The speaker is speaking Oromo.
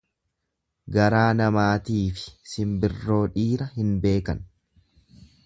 Garaa namaatiifi simbirroo dhiira hin beekan.